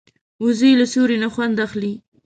وزې له سیوري نه خوند اخلي